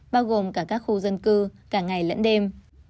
bao gồm cả các khu dân cư cả ngày lẫn đêm